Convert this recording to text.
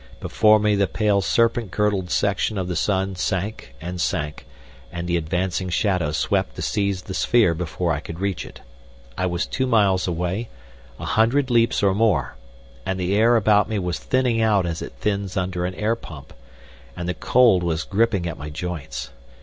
Before me the pale serpent girdled section of the sun sank and sank, and the advancing shadow swept to seize the sphere before I could reach it. I was two miles away, a hundred leaps or more, and the air about me was thinning out as it thins under an air pump, and the cold was gripping at my joints.